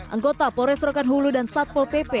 anggota polres rokan hulu dan satpol pp